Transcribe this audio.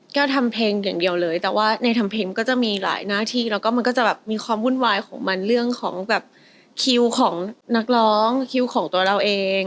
ทำเพลงอย่างเดียวเลยแต่ว่าในทำเพลงก็จะมีหลายหน้าที่แล้วก็มันก็จะแบบมีความวุ่นวายของมันเรื่องของแบบคิวของนักร้องคิวของตัวเราเอง